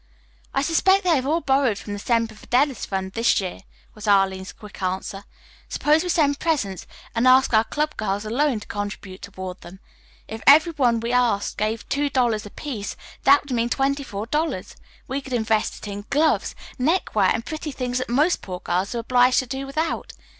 "I suspect they have all borrowed from the Semper Fidelis fund this year," was Arline's quick answer. "Suppose we send presents, and ask our club girls alone to contribute toward them. If every one we asked gave two dollars apiece, that would mean twenty four dollars. We could invest it in gloves, neckwear and pretty things that most poor girls are obliged to do without.